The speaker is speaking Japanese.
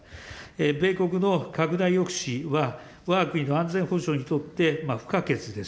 米国の拡大抑止は、わが国の安全保障にとって不可欠です。